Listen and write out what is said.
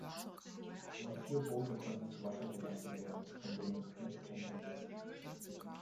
Nur vier Boote konnten zu Wasser gelassen werden, von denen eines kenterte.